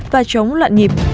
và chống loạn nhịp